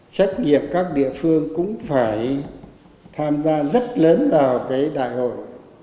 trách nhiệm các địa phương cũng phải tham gia rất lớn vào cái đại hội